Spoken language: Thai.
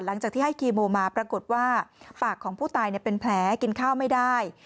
หลังจากที่ให้คีโมมาปรากฏว่าปากของผู้ตายเป็นแผลกินข้าวไม่ได้